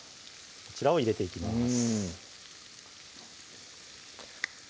こちらを入れていきます